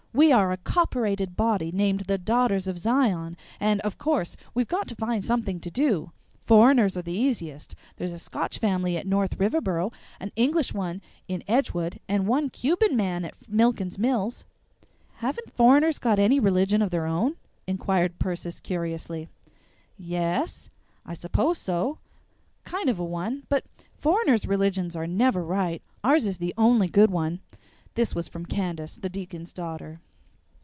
"We are a copperated body named the Daughters of Zion, and, of course, we've got to find something to do. Foreigners are the easiest; there's a Scotch family at North Riverboro, an English one in Edgewood, and one Cuban man at Millkin's Mills." "Haven't foreigners got any religion of their own?" inquired Persis curiously. "Ye es, I s'pose so; kind of a one; but foreigners' religions are never right ours is the only good one." This was from Candace, the deacon's daughter.